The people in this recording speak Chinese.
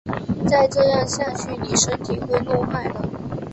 再这样下去妳身体会弄坏的